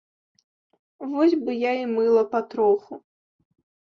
Вось бы я і мыла патроху.